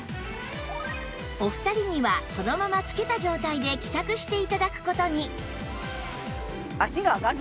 お二人にはそのまま着けた状態で帰宅して頂く事に